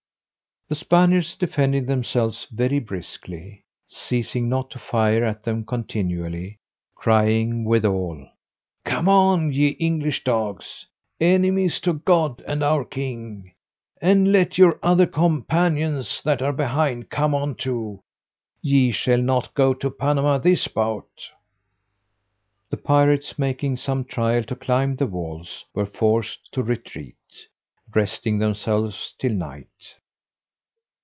The Spaniards defended themselves very briskly, ceasing not to fire at them continually; crying withal, "Come on, ye English dogs! enemies to God and our king; and let your other companions that are behind come on too, ye shall not go to Panama this bout." The pirates making some trial to climb the walls, were forced to retreat, resting themselves till night.